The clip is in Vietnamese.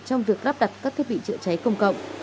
trong việc lắp đặt các thiết bị chữa cháy công cộng